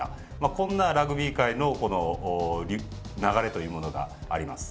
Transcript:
こんなラグビー界の流れというものがあります。